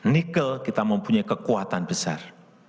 nikel kita mempunyai kekuatan besar